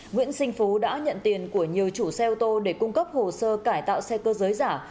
nguyễn sinh phú đã nhận tiền của nhiều chủ xe ô tô để cung cấp hồ sơ cải tạo xe cơ giới giả